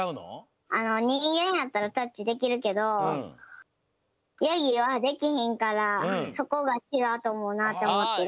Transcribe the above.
にんげんやったらタッチできるけどヤギはできひんからそこがちがうとおもうなとおもってる。